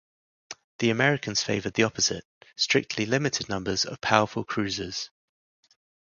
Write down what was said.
The Americans favoured the opposite: strictly limited numbers of powerful cruisers.